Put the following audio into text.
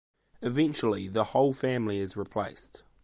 Eventually, the whole family is replaced.